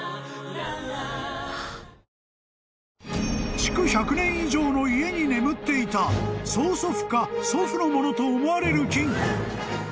［築１００年以上の家に眠っていた曽祖父か祖父のものと思われる金庫］